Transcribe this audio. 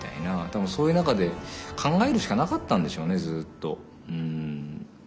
多分そういう中で考えるしかなかったんでしょうねずっと。